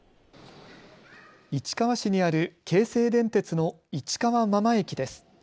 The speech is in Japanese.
市川市にある京成電鉄の市川真間駅です。